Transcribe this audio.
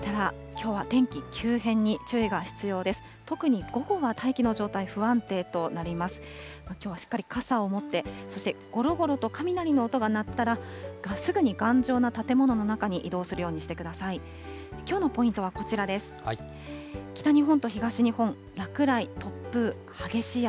きょうはしっかり、傘を持って、そして、ごろごろと雷の音が鳴ったら、すぐに頑丈な建物の中に移動するようにしてください。